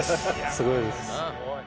すごいです。